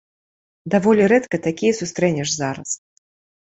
Даволі рэдка такія сустрэнеш зараз.